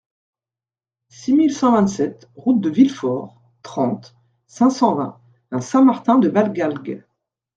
six mille cent vingt-sept route de Villefort, trente, cinq cent vingt à Saint-Martin-de-Valgalgues